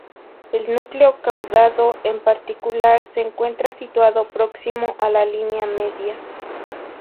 El núcleo caudado, en particular, se encuentra situado próximo a la línea media.